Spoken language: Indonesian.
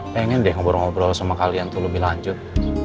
pengen deh ngobrol ngobrol sama kalian tuh lebih lanjut